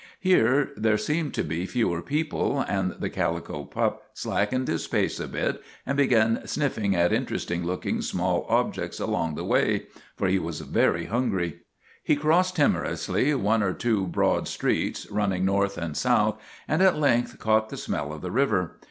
Here there seemed to be fewer people, and the calico pup slackened his pace a bit and began snif fing at interesting looking small objects along the way, for he was very hungry. He crossed timor ously one or two broad streets running north and south, and at length caught the smell of the river.